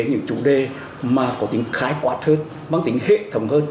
những chủ đề mà có tính khái quạt hơn bằng tính hệ thống hơn